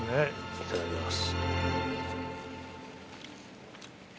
いただきます。